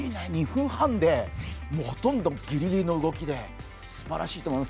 ２分半でほとんどギリギリの動きですばらしいと思う。